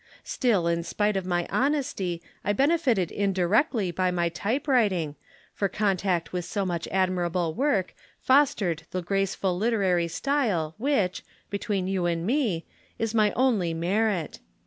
Still in spite of my honesty, I benefited indirectly by my type writing, for contact with so much admirable work fostered the graceful literary style which, between you and me, is my only merit.